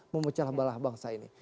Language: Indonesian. memecah belah bangsa ini